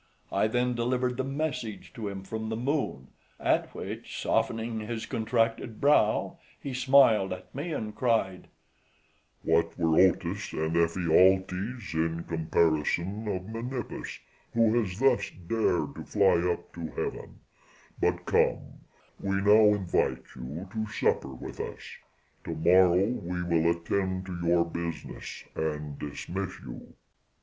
I then delivered the message to him from the Moon, at which, softening his contracted brow, he smiled at me, and cried, "What were Otus and Ephialtes in comparison of Menippus, who has thus dared to fly up to heaven; but come, we now invite you to supper with us; to morrow we will attend to your business, and dismiss you."